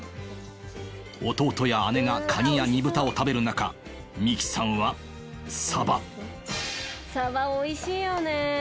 弟や姉がカニや煮豚を食べる中心咲さんはサバサバおいしいよね。